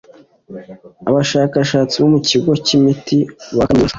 abashakashatsi bo mu kigo cy'imiti bakaminuza